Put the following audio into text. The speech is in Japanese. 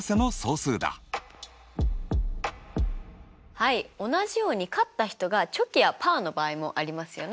はい同じように勝った人がチョキやパーの場合もありますよね。